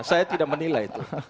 saya tidak menilai itu